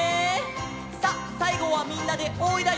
さあさいごはみんなで「おーい」だよ！